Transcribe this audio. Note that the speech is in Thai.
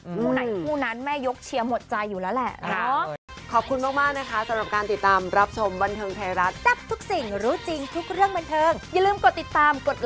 คู่ไหนคู่นั้นแม่ยกเชียร์หมดใจอยู่แล้วแหละ